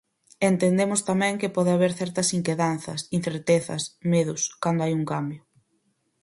E entendemos tamén que pode haber certas inquedanzas, incertezas, medos, cando hai un cambio.